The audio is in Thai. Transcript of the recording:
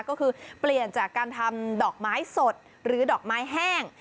ก็คือเปลี่ยนจากการทำดอกไม้สดหรือดอกไม้แห้ง